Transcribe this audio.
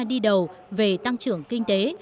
đi đầu về tăng trưởng kinh tế